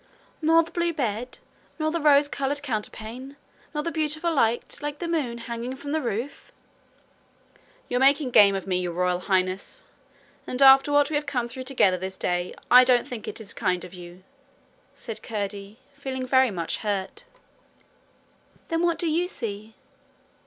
'Nor the blue bed? Nor the rose coloured counterpane? Nor the beautiful light, like the moon, hanging from the roof?' 'You're making game of me, Your Royal Highness; and after what we have come through together this day, I don't think it is kind of you,' said Curdie, feeling very much hurt. 'Then what do you see?'